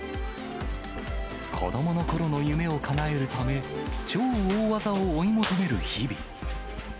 子どものころの夢をかなえるため、超大技を追い求める日々。